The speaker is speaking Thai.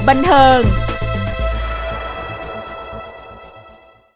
ออสการ์ครั้งที่ยิ่งใหญ่ทั้งสัปดาห์ในรายการพาเรดบันเทิง